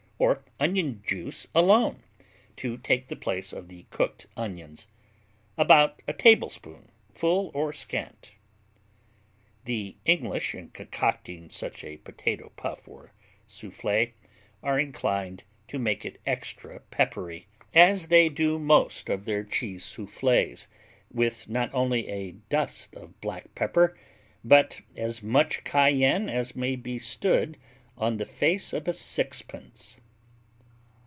Or onion juice alone, to take the place of the cooked onions about a tablespoon, full or scant. The English, in concocting such a Potato Puff or Soufflé, are inclined to make it extra peppery, as they do most of their Cheese Soufflés, with not only "a dust of black pepper" but "as much cayenne as may be stood on the face of a sixpence."